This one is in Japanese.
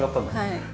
はい。